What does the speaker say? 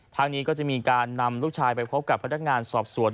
ทางนี้ก็จะมีการนำลูกชายไปพบกับพนักงานสอบสวน